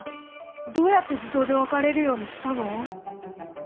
どうやって自動で分かれるようにしたの？